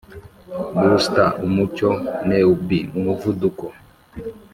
buster, umucyo, newbie, umuvuduko